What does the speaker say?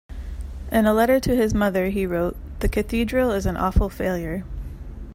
In a letter to his mother he wrote: The Cathedral is an awful failure.